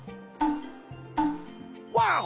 ワオ！